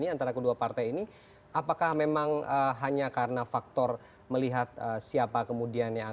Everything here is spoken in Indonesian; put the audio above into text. antara kedua partai ini apakah memang hanya karena faktor melihat siapa kemudian yang akan